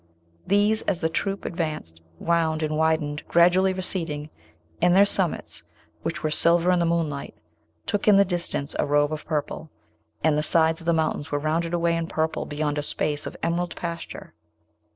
These, as the troop advanced, wound and widened, gradually receding, and their summits, which were silver in the moonlight, took in the distance a robe of purple, and the sides of the mountains were rounded away in purple beyond a space of emerald pasture.